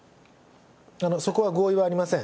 そこは合意はありません。